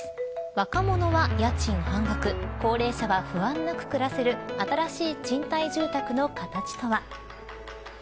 若者は家賃半額高齢者は不安なく暮らせる新しい賃貸住宅の形とは。